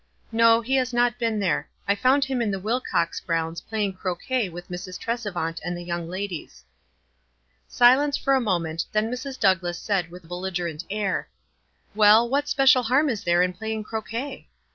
"No, he has not been there. I found him in the Wilcox grounds, playing croquet with Mrs. Trescvant and the young ladies." Silence for a moment, then Mrs. Douglass eaid, with belligerent ah', — 24 WISE AND OTHERWISE. "Well, what special barm is there in playing croquet?"